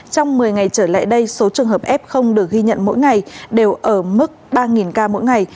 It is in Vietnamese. trong một mươi ngày trở lại đây số trường hợp f được ghi nhận mỗi ngày đều ở mức ba ca mỗi ngày